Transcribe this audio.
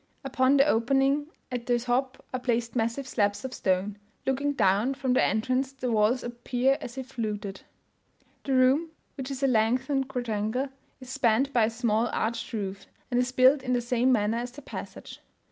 Upon the opening at the top are placed massive slabs of stone. Looking down from the entrance, the walls appear as if fluted. The room, which is a lengthened quadrangle, is spanned by a small arched roof, and is built in the same manner as the passage.